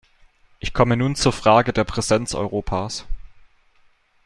Ich komme nun zur Frage der Präsenz Europas.